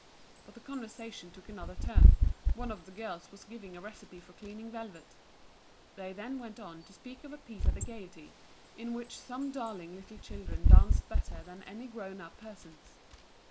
But the conversation took another turn, one of the girls was giving a recipe for cleaning velvet. They then went on to speak of a piece at the Gaiety, in which some darling little children danced better than any grown up persons.